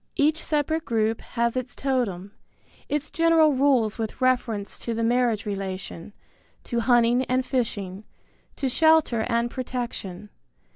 Each separate group has its totem, its general rules with reference to the marriage relation, to hunting and fishing, to shelter and protection.